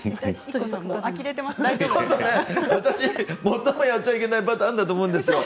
最もやっちゃいけないパターンだと思うんですよ。